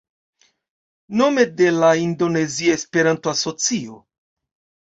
Nome de la Indonezia Esperanto-Asocio